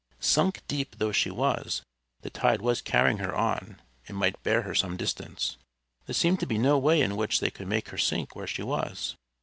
Sunk deep though she was, the tide was carrying her on, and might bear her some distance. There seemed to be no way in which they could make her sink where she was.